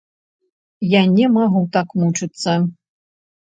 Я не магу так мучыцца!